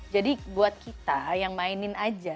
jadi buat kita yang mainin aja